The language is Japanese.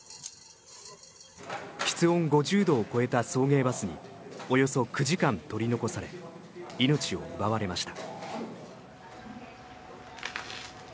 室温５０度を超えた送迎バスにおよそ９時間取り残され命を奪われました。